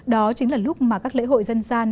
đó chính là lúc mà các lễ hội dân gian